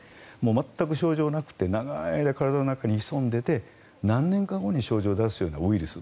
全く症状がなくて長い間体の中に潜んでいて何年後に症状を出すようなウイルス